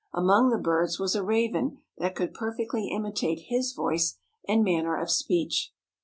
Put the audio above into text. Among the birds was a raven that could perfectly imitate his voice and manner of speech.